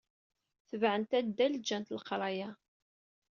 Tebɛent addal, ǧǧant leqraya.